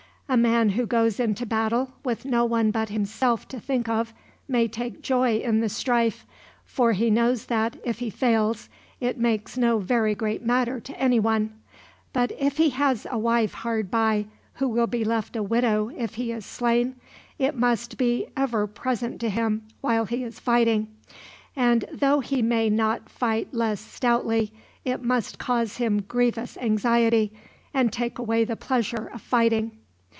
A man who goes into battle with no one but himself to think of may take joy in the strife; for he knows that, if he falls, it makes no very great matter to anyone. But if he has a wife hard by, who will be left a widow if he is slain, it must be ever present to him while he is fighting; and though he may not fight less stoutly, it must cause him grievous anxiety, and take away the pleasure of fighting."